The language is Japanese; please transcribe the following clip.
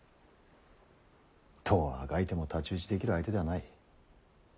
どうあがいても太刀打ちできる相手ではない。